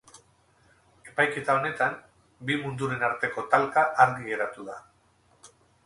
Epaiketa honetan, bi munduren arteko talka argi geratu da.